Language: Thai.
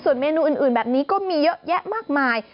เมนูอื่นแบบนี้ก็มีเยอะแยะมากมาย